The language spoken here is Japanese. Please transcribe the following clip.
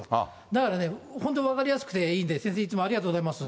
だからね、本当分かりやすくていいんで、先生、いつもありがとうございます。